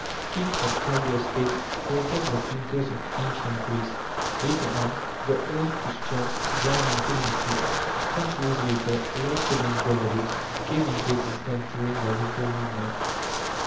Schemes of ideal States haunted the thinkers of Ancient Greece; later on, the early Christians joined in communist groups; centuries later, large communist brotherhoods came into existence during the Reform movement.